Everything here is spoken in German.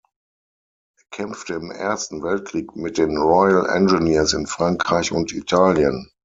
Er kämpfte im Ersten Weltkrieg mit den Royal Engineers in Frankreich und Italien.